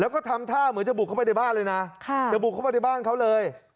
แล้วก็ทำท่าเหมือนจะบุกเข้าไปในบ้านเลยนะจะบุกเข้ามาในบ้านเขาเลย